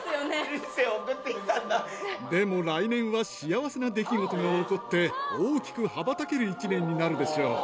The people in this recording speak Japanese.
でも、来年は幸せな出来事が起こって、大きく羽ばたける一年になるでしょう。